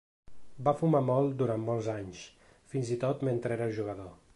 Va fumar molt durant molts anys, fins i tot mentre era jugador.